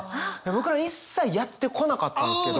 僕ら一切やってこなかったんですけど。